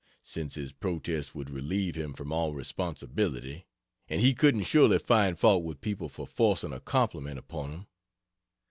since his protest would relieve him from all responsibility; and he couldn't surely find fault with people for forcing a compliment upon him.